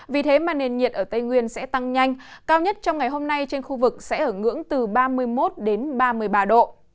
vì thế mà nền nhiệt ở tây nguyên sẽ tăng nhanh cao nhất trong ngày hôm nay trên khu vực sẽ ở ngưỡng từ ba mươi một đến ba mươi ba độ